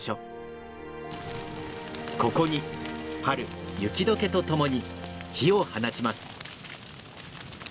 ここに春雪解けとともに火を放ちます。